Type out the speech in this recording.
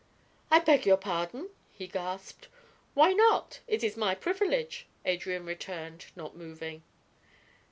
"I beg your pardon!" he gasped. "Why not? It is my privilege," Adrian returned, not moving.